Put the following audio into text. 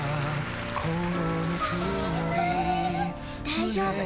大丈夫。